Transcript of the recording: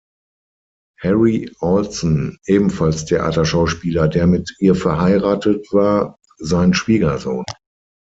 Harry Alsen, ebenfalls Theaterschauspieler, der mit ihr verheiratet war sein Schwiegersohn.